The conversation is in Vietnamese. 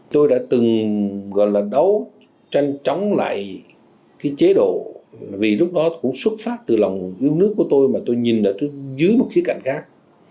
tôi đã từng gọi là đấu tranh chống lại cái chế độ vì lúc đó cũng xuất phát từ lòng yêu nước của tôi mà tôi nhìn ở dưới một khía cạnh khác